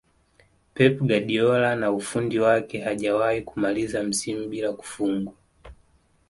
Pep Guardiola na ufundi wake hajawahi kumaliza msimu bila kufungwa